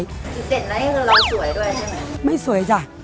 กินเสร็จแล้วยังเลาสวยด้วยใช่มั้ย